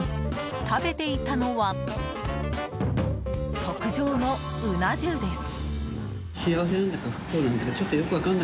食べていたのは特上のうな重です。